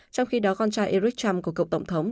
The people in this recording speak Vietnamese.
trong khi đó con trai eric trump của cựu tổng thống